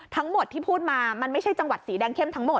ทั้งหมดที่พูดมามันไม่ใช่จังหวัดสีแดงเข้มทั้งหมด